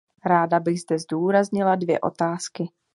Ráda bych zde zdůraznila dvě otázky.